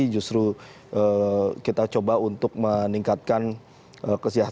justru kita coba untuk meningkatkan kesejahteraan